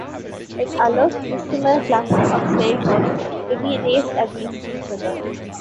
It allows dissimilar classes of sailboats to be raced against each other.